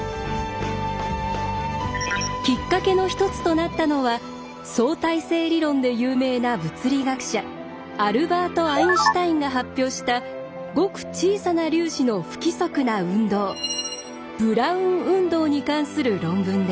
きっかけの１つとなったのは相対性理論で有名な物理学者アルバート・アインシュタインが発表したごく小さな粒子の不規則な運動「ブラウン運動」に関する論文です。